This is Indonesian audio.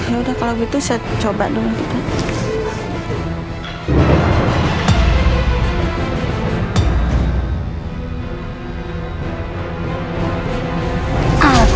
yaudah kalau begitu saya coba dulu